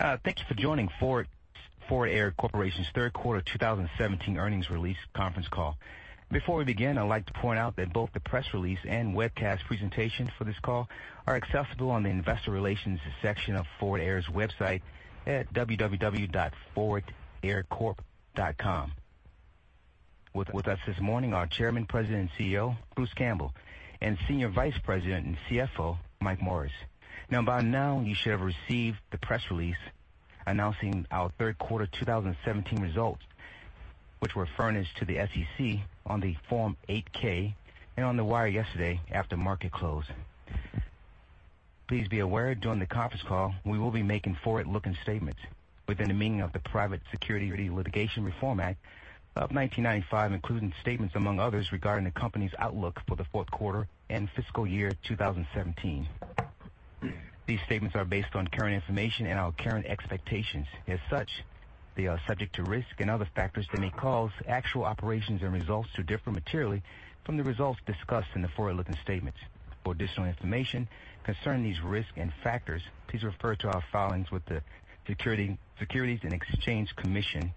Thank you for joining Forward Air Corporation's third quarter 2017 earnings release conference call. Before we begin, I'd like to point out that both the press release and webcast presentations for this call are accessible on the investor relations section of forwardaircorp.com. With us this morning, our Chairman, President, and CEO, Bruce Campbell, and Senior Vice President and CFO, Mike Morris. By now, you should have received the press release announcing our third quarter 2017 results, which were furnished to the SEC on the Form 8-K and on the wire yesterday after market close. Please be aware, during the conference call, we will be making forward-looking statements within the meaning of the Private Securities Litigation Reform Act of 1995, including statements among others regarding the company's outlook for the fourth quarter and fiscal year 2017. These statements are based on current information and our current expectations. As such, they are subject to risks and other factors that may cause actual operations and results to differ materially from the results discussed in the forward-looking statements. For additional information concerning these risks and factors, please refer to our filings with the Securities and Exchange Commission,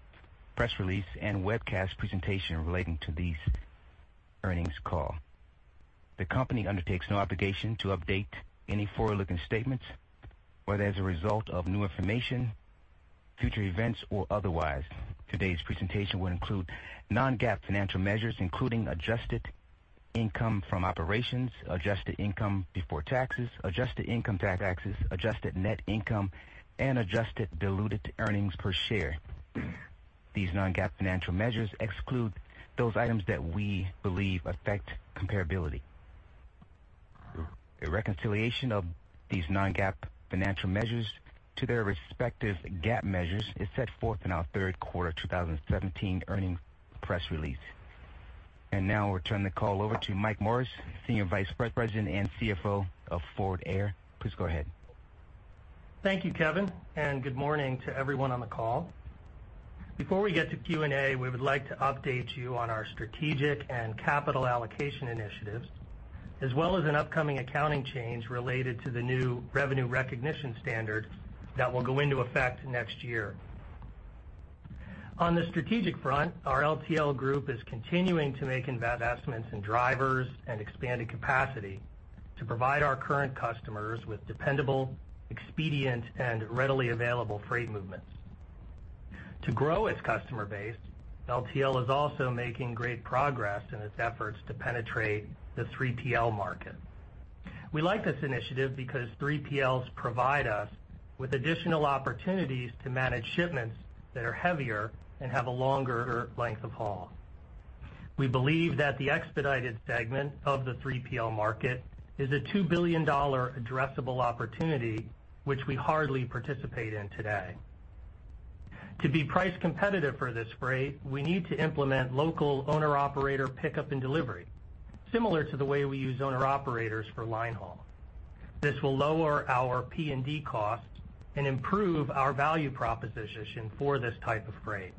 press release, and webcast presentation relating to this earnings call. The company undertakes no obligation to update any forward-looking statements, whether as a result of new information, future events, or otherwise. Today's presentation will include non-GAAP financial measures, including adjusted income from operations, adjusted income before taxes, adjusted income taxes, adjusted net income, and adjusted diluted earnings per share. These non-GAAP financial measures exclude those items that we believe affect comparability. A reconciliation of these non-GAAP financial measures to their respective GAAP measures is set forth in our third quarter 2017 earnings press release. Now I'll turn the call over to Mike Morris, Senior Vice President and CFO of Forward Air. Please go ahead. Thank you, Kevin, and good morning to everyone on the call. Before we get to Q&A, we would like to update you on our strategic and capital allocation initiatives, as well as an upcoming accounting change related to the new revenue recognition standard that will go into effect next year. On the strategic front, our LTL group is continuing to make investments in drivers and expanded capacity to provide our current customers with dependable, expedient, and readily available freight movements. To grow its customer base, LTL is also making great progress in its efforts to penetrate the 3PL market. We like this initiative because 3PLs provide us with additional opportunities to manage shipments that are heavier and have a longer length of haul. We believe that the expedited segment of the 3PL market is a $2 billion addressable opportunity, which we hardly participate in today. To be price competitive for this freight, we need to implement local owner-operator pickup and delivery, similar to the way we use owner-operators for line haul. This will lower our P&D costs and improve our value proposition for this type of freight.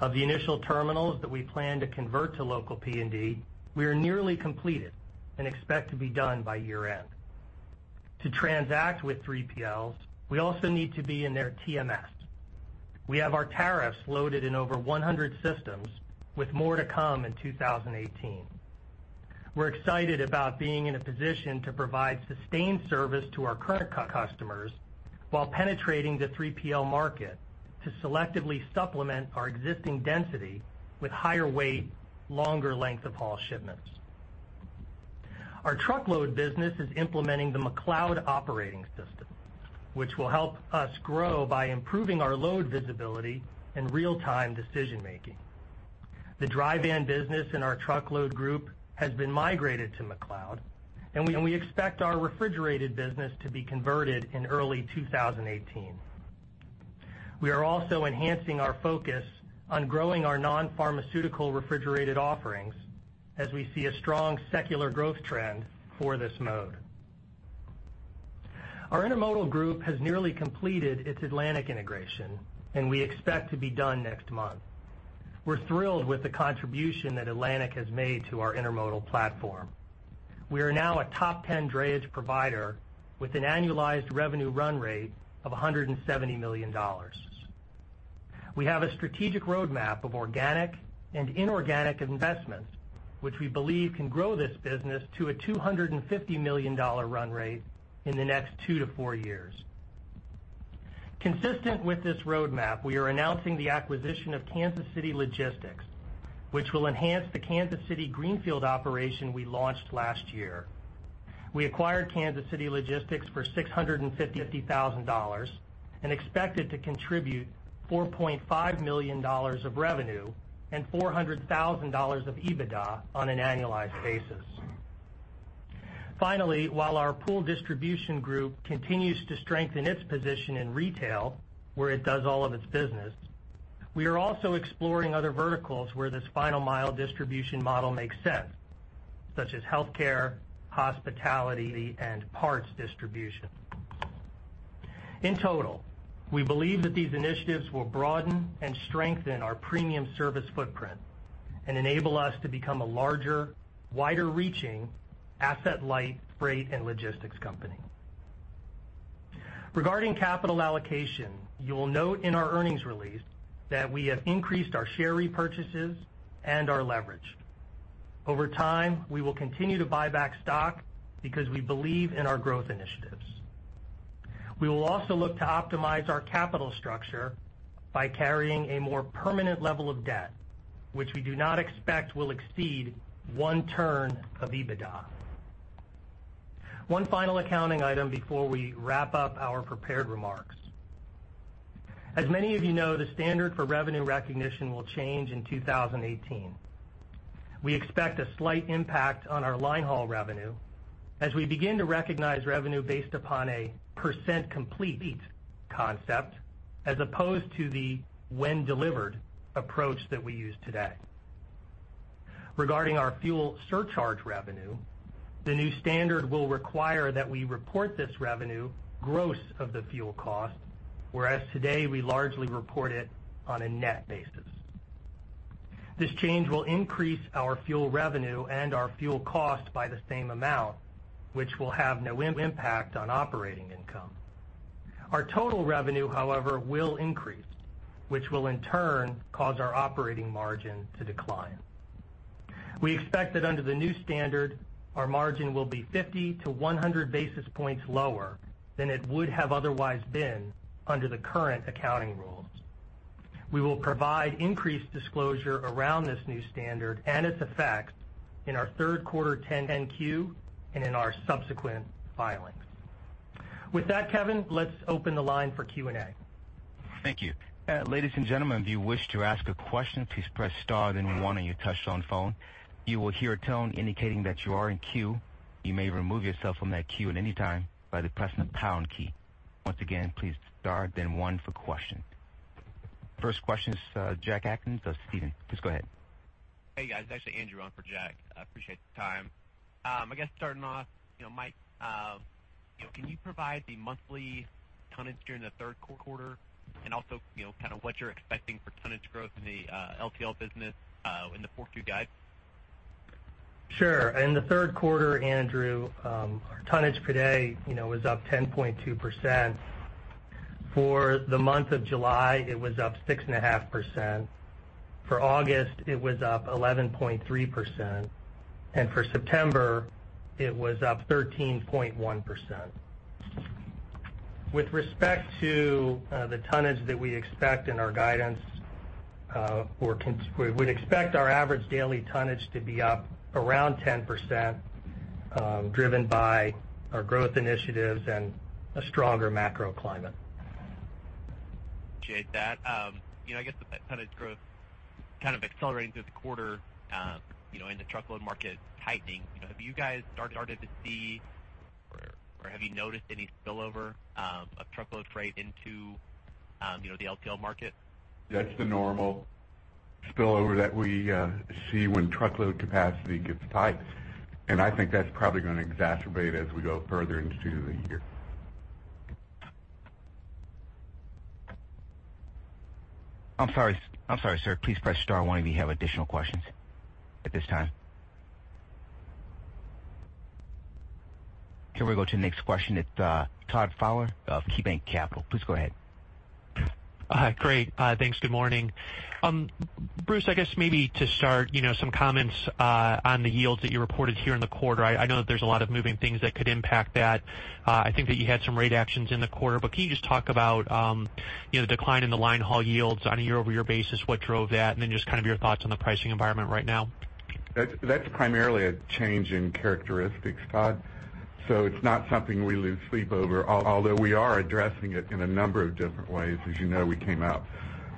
Of the initial terminals that we plan to convert to local P&D, we are nearly completed and expect to be done by year-end. To transact with 3PLs, we also need to be in their TMS. We have our tariffs loaded in over 100 systems, with more to come in 2018. We're excited about being in a position to provide sustained service to our current customers while penetrating the 3PL market to selectively supplement our existing density with higher weight, longer length-of-haul shipments. Our truckload business is implementing the McLeod operating system, which will help us grow by improving our load visibility and real-time decision-making. The dry van business in our truckload group has been migrated to McLeod, and we expect our refrigerated business to be converted in early 2018. We are also enhancing our focus on growing our non-pharmaceutical refrigerated offerings as we see a strong secular growth trend for this mode. Our intermodal group has nearly completed its Atlantic integration, and we expect to be done next month. We're thrilled with the contribution that Atlantic has made to our intermodal platform. We are now a top 10 drayage provider with an annualized revenue run rate of $170 million. We have a strategic roadmap of organic and inorganic investments, which we believe can grow this business to a $250 million run rate in the next two to four years. Consistent with this roadmap, we are announcing the acquisition of Kansas City Logistics, which will enhance the Kansas City greenfield operation we launched last year. We acquired Kansas City Logistics for $650,000 and expect it to contribute $4.5 million of revenue and $400,000 of EBITDA on an annualized basis. Finally, while our Pool Distribution group continues to strengthen its position in retail, where it does all of its business, we are also exploring other verticals where this final mile distribution model makes sense, such as healthcare, hospitality, and parts distribution. In total, we believe that these initiatives will broaden and strengthen our premium service footprint. Enable us to become a larger, wider-reaching asset-light freight and logistics company. Regarding capital allocation, you will note in our earnings release that we have increased our share repurchases and our leverage. Over time, we will continue to buy back stock because we believe in our growth initiatives. We will also look to optimize our capital structure by carrying a more permanent level of debt, which we do not expect will exceed one turn of EBITDA. One final accounting item before we wrap up our prepared remarks. As many of you know, the standard for revenue recognition will change in 2018. We expect a slight impact on our line haul revenue as we begin to recognize revenue based upon a % complete concept as opposed to the when delivered approach that we use today. Regarding our fuel surcharge revenue, the new standard will require that we report this revenue gross of the fuel cost, whereas today, we largely report it on a net basis. This change will increase our fuel revenue and our fuel cost by the same amount, which will have no impact on operating income. Our total revenue, however, will increase, which will in turn cause our operating margin to decline. We expect that under the new standard, our margin will be 50-100 basis points lower than it would have otherwise been under the current accounting rules. We will provide increased disclosure around this new standard and its effects in our third quarter 10-Q and in our subsequent filings. With that, Kevin, let's open the line for Q&A. Thank you. Ladies and gentlemen, if you wish to ask a question, please press star then one on your touch-tone phone. You will hear a tone indicating that you are in queue. You may remove yourself from that queue at any time by pressing the pound key. Once again, please star then one for questions. First question is Jack Atkins of Stephens. Please go ahead. Hey, guys. It's actually Andrew on for Jack. I appreciate the time. I guess starting off, Mike, can you provide the monthly tonnage during the third quarter? Also, what you're expecting for tonnage growth in the LTL business, in the forward view guide. Sure. In the third quarter, Andrew, our tonnage per day was up 10.2%. For the month of July, it was up 6.5%. For August, it was up 11.3%, and for September, it was up 13.1%. With respect to the tonnage that we expect in our guidance, we would expect our average daily tonnage to be up around 10%, driven by our growth initiatives and a stronger macro climate. Appreciate that. I guess the tonnage growth kind of accelerating through the quarter, the truckload market tightening. Have you guys started to see, or have you noticed any spillover of truckload freight into the LTL market? That's the normal spillover that we see when truckload capacity gets tight, I think that's probably going to exacerbate as we go further into the year. I'm sorry, sir. Please press star one if you have additional questions at this time. Okay, we'll go to the next question. It's Todd Fowler of KeyBanc Capital. Please go ahead. Great. Thanks. Good morning. Bruce, I guess maybe to start, some comments on the yields that you reported here in the quarter. I know that there's a lot of moving things that could impact that. I think that you had some rate actions in the quarter, can you just talk about the decline in the line haul yields on a year-over-year basis, what drove that, just your thoughts on the pricing environment right now? That's primarily a change in characteristics, Todd. It's not something we lose sleep over, although we are addressing it in a number of different ways. As you know, we came out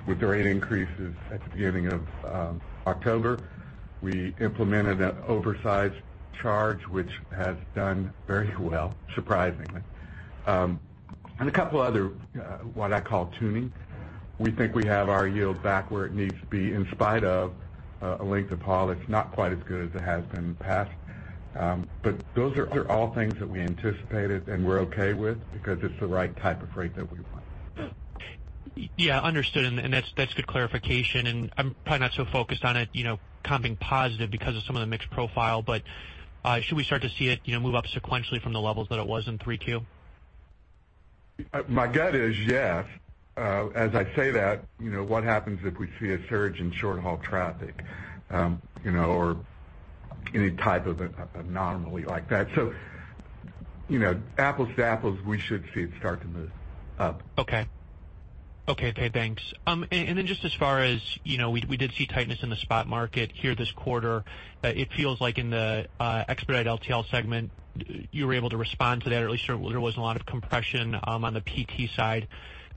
with rate increases at the beginning of October. We implemented an oversize charge, which has done very well, surprisingly. A couple of other, what I call tuning. We think we have our yield back where it needs to be in spite of a length of haul that's not quite as good as it has been in the past. Those are all things that we anticipated and we're okay with because it's the right type of freight that we want. Yeah, understood. That's good clarification. I'm probably not so focused on it comping positive because of some of the mixed profile, should we start to see it move up sequentially from the levels that it was in Q3? My gut is yes. As I say that, what happens if we see a surge in short-haul traffic, or any type of anomaly like that? Apples to apples, we should see it start to move up. Okay. Thanks. Just as far as, we did see tightness in the spot market here this quarter. It feels like in the expedite LTL segment, you were able to respond to that, or at least there wasn't a lot of compression on the P&D side.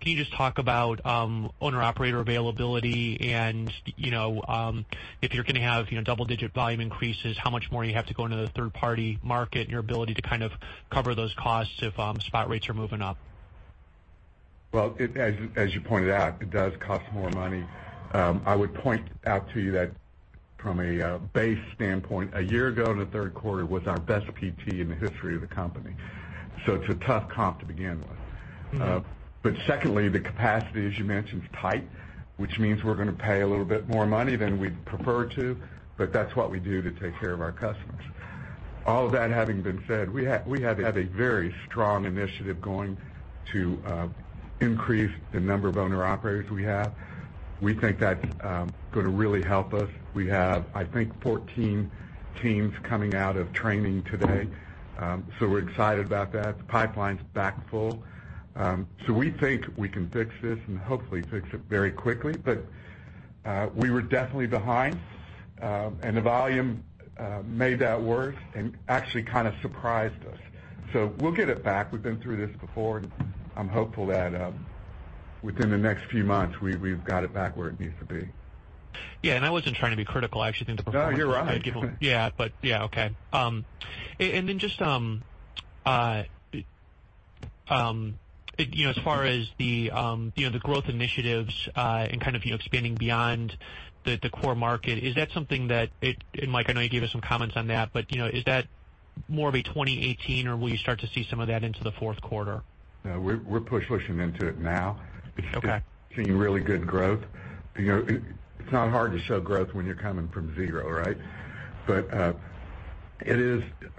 Can you just talk about owner-operator availability and, if you're going to have double-digit volume increases, how much more you have to go into the third-party market, and your ability to cover those costs if spot rates are moving up? Well, as you pointed out, it does cost more money. I would point out to you that from a base standpoint, one year ago in the third quarter was our best PT in the history of the company. It's a tough comp to begin with. Secondly, the capacity, as you mentioned, is tight, which means we're going to pay a little bit more money than we'd prefer to, that's what we do to take care of our customers. All of that having been said, we have had a very strong initiative going to increase the number of owner-operators we have. We think that's going to really help us. We have, I think, 14 teams coming out of training today. We're excited about that. The pipeline's back full. We think we can fix this and hopefully fix it very quickly. We were definitely behind, and the volume made that worse and actually kind of surprised us. We'll get it back. We've been through this before, and I'm hopeful that within the next few months, we've got it back where it needs to be. Yeah, I wasn't trying to be critical. I actually think the performance No, you're right. Yeah, okay. Just as far as the growth initiatives and expanding beyond the core market, is that something that, Mike, I know you gave us some comments on that, but is that more of a 2018, or will you start to see some of that into the fourth quarter? No, we're pushing into it now. Okay. Seeing really good growth. It's not hard to show growth when you're coming from zero, right? The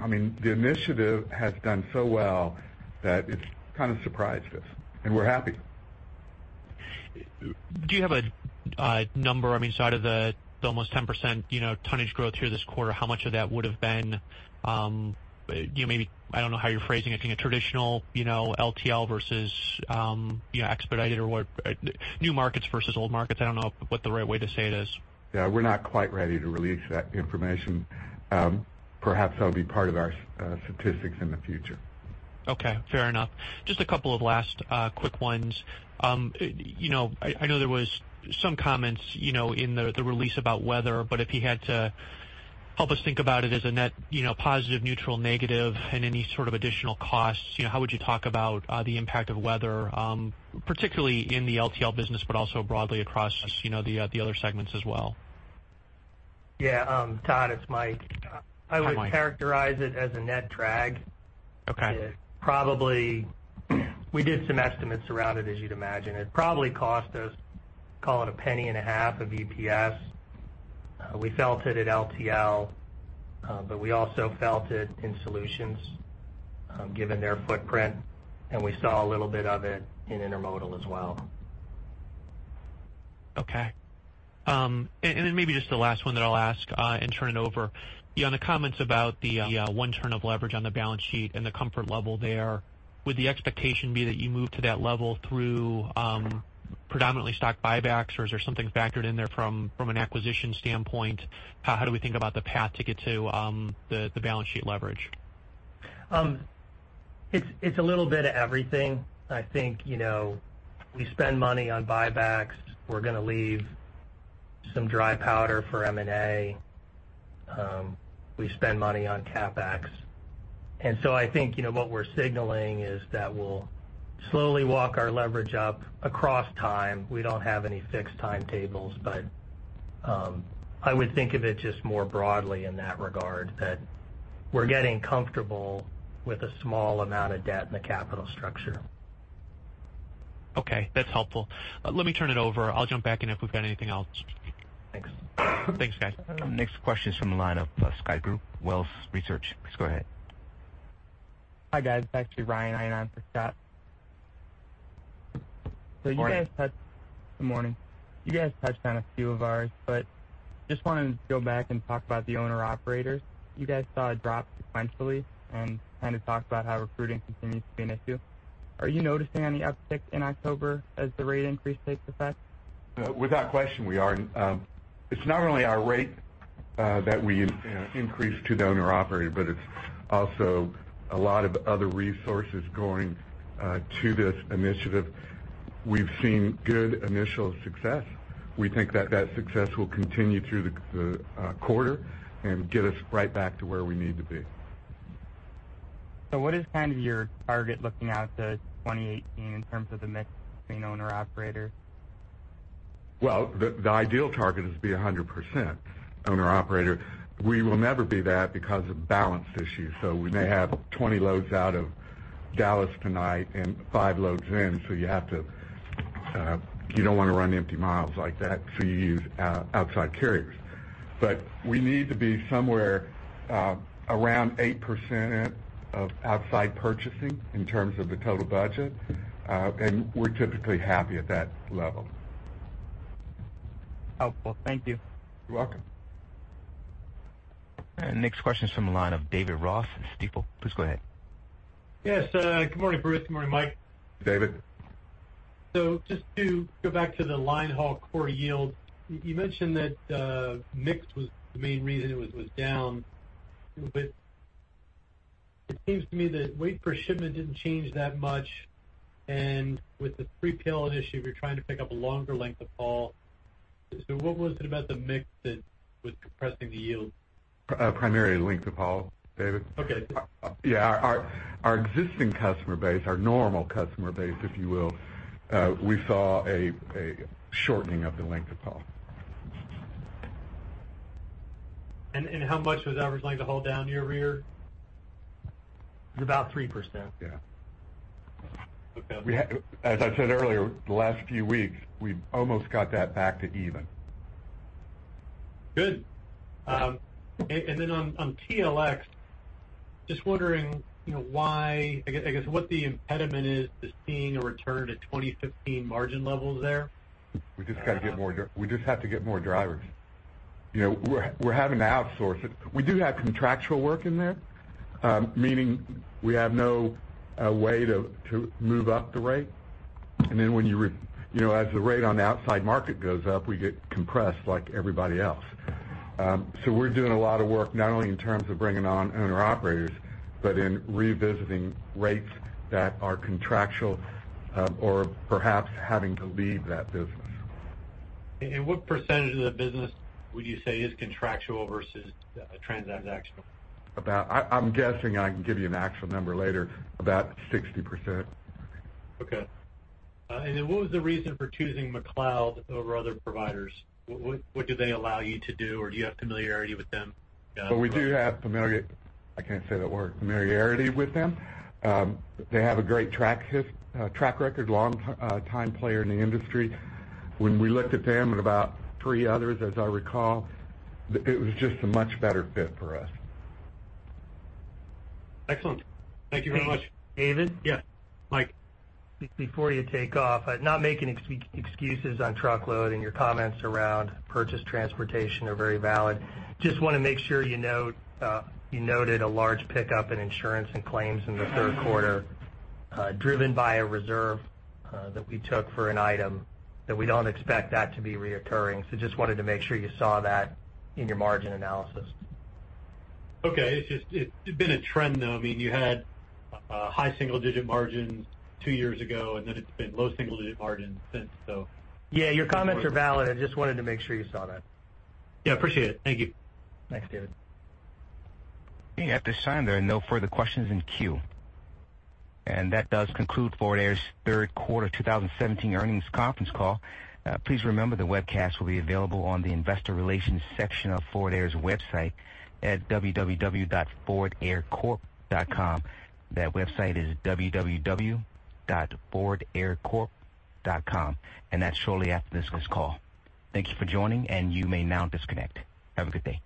initiative has done so well that it's kind of surprised us, and we're happy. Do you have a number outside of the almost 10% tonnage growth here this quarter, how much of that would've been, maybe, I don't know how you're phrasing it, I think a traditional LTL versus expedited or what new markets versus old markets, I don't know what the right way to say it is. Yeah, we're not quite ready to release that information. Perhaps that'll be part of our statistics in the future. Okay, fair enough. Just a couple of last quick ones. I know there was some comments in the release about weather, if you had to help us think about it as a net positive, neutral, negative, and any sort of additional costs, how would you talk about the impact of weather, particularly in the LTL business, but also broadly across just the other segments as well? Yeah. Todd, it's Mike. Hi, Mike. I would characterize it as a net drag. Okay. Probably, we did some estimates around it, as you'd imagine. It probably cost us, call it a penny and a half of EPS. We felt it at LTL, but we also felt it in Solutions, given their footprint, and we saw a little bit of it in intermodal as well. Okay. Maybe just the last one that I'll ask and turn it over. On the comments about the one turn of leverage on the balance sheet and the comfort level there, would the expectation be that you move to that level through predominantly stock buybacks, or is there something factored in there from an acquisition standpoint? How do we think about the path to get to the balance sheet leverage? It's a little bit of everything. I think, we spend money on buybacks. We're going to leave some dry powder for M&A. We spend money on CapEx. I think what we're signaling is that we'll slowly walk our leverage up across time. We don't have any fixed timetables, but I would think of it just more broadly in that regard, that we're getting comfortable with a small amount of debt in the capital structure. Okay, that's helpful. Let me turn it over. I'll jump back in if we've got anything else. Thanks. Thanks, guys. Next question is from the line of Scott Group, Wolfe Research. Please go ahead. Hi, guys. Back to Ryan Eynon for Scott. Morning. Good morning. You guys touched on a few of ours, just wanted to go back and talk about the owner-operators. You guys saw a drop sequentially, kind of talked about how recruiting continues to be an issue. Are you noticing any uptick in October as the rate increase takes effect? Without question, we are. It's not only our rate that we increase to the owner-operator, but it's also a lot of other resources going to this initiative. We've seen good initial success. We think that that success will continue through the quarter and get us right back to where we need to be. What is your target looking out to 2018 in terms of the mix between owner-operators? Well, the ideal target is to be 100% owner-operator. We will never be that because of balance issues. We may have 20 loads out of Dallas tonight and five loads in, so you don't want to run empty miles like that, so you use outside carriers. We need to be somewhere around 8% of outside purchasing in terms of the total budget. We're typically happy at that level. Helpful. Thank you. You're welcome. Next question is from the line of David Ross, Stifel. Please go ahead. Yes. Good morning, Bruce. Good morning, Mike. David. Just to go back to the line haul core yield, you mentioned that mix was the main reason it was down, but it seems to me that weight per shipment didn't change that much, and with the [pre-pay issue], you're trying to pick up a longer length of haul. What was it about the mix that was compressing the yield? Primarily length of haul, David. Okay. Our existing customer base, our normal customer base, if you will, we saw a shortening of the length of haul. How much was that originally to hold down your rate? About 3%. Yeah. Okay. As I said earlier, the last few weeks, we almost got that back to even. Good. On TLX, just wondering why, I guess, what the impediment is to seeing a return to 2015 margin levels there. We just have to get more drivers. We're having to outsource it. We do have contractual work in there, meaning we have no way to move up the rate. As the rate on the outside market goes up, we get compressed like everybody else. We're doing a lot of work, not only in terms of bringing on owner-operators, but in revisiting rates that are contractual, or perhaps having to leave that business. What percentage of the business would you say is contractual versus transactional? I'm guessing, I can give you an actual number later, about 60%. Okay. What was the reason for choosing McLeod over other providers? What do they allow you to do? Do you have familiarity with them? Well, we do have I can't say that word, familiarity with them. They have a great track record, long time player in the industry. When we looked at them and about three others, as I recall, it was just a much better fit for us. Excellent. Thank you very much. David? Yeah, Mike. Before you take off, not making excuses on truckload. Your comments around purchase transportation are very valid. Just want to make sure you noted a large pickup in insurance and claims in the third quarter, driven by a reserve that we took for an item that we don't expect that to be recurring. Just wanted to make sure you saw that in your margin analysis. Okay. It's been a trend, though. You had high single-digit margins two years ago. It's been low single-digit margins since. Yeah, your comments are valid. I just wanted to make sure you saw that. Yeah, appreciate it. Thank you. Thanks, David. At this time, there are no further questions in queue. That does conclude Forward Air's third quarter 2017 earnings conference call. Please remember the webcast will be available on the investor relations section of Forward Air's website at www.forwardaircorp.com. That website is www.forwardaircorp.com, and that's shortly after this call. Thank you for joining, and you may now disconnect. Have a good day.